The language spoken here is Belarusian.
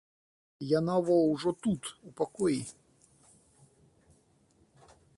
Яна во ўжо тут, у пакоі.